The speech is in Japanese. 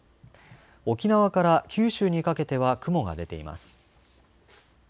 沖縄から九州にかけては雲が出ています。